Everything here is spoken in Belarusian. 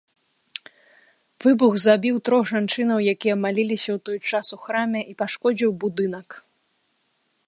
Выбух забіў трох жанчын, якія маліліся ў той час у храме, і пашкодзіў будынак.